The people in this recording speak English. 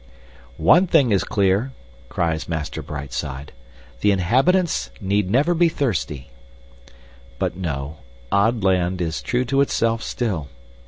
"One thing is clear," cries Master Brightside, "the inhabitants need never be thirsty." But no, Odd land is true to itself still.